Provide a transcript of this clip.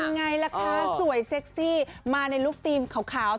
ไงล่ะคะสวยเซ็กซี่มาในลูกทีมขาว